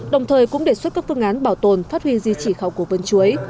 đồng thời cũng đề xuất các phương án bảo tồn phát huy di trị khảo cổ vườn chuối